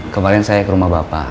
kemarin saya ke rumah bapak